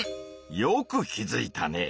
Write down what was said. よく気づいたね。